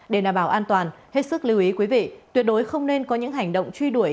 để đảm bảo an toàn hết sức lưu ý quý vị tuyệt đối không nên có những hành động truy đuổi